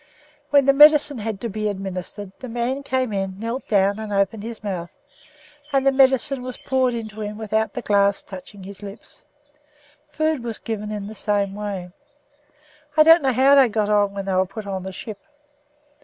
When medicine had to be administered, the man came in, knelt down, and opened his mouth, and the medicine was poured into him without the glass touching his lips. Food was given in the same way. I don't know how they got on when they were put on the ship.